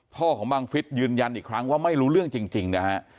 พ่อของบังฟิศยืนยันอีกครั้งว่าไม่รู้เรื่องจริงนะฮะ